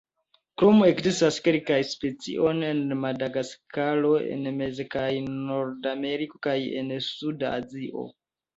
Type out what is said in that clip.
Krome ekzistas kelkaj specioj en Madagaskaro, en Mez- kaj Nordameriko kaj en suda Azio.